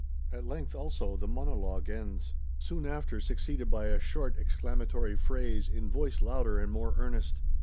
At length, also, the monologue ends; soon after, succeeded by a short exclamatory phrase, in voice louder and more earnest.